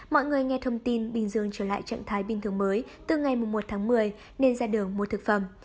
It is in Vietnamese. mọi người nghe thông tin bình dương trở lại trạng thái bình thường mới từ ngày một tháng một mươi nên ra đường mua thực phẩm